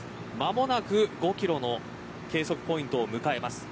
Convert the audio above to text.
間もなく５キロの計測ポイントを迎えます。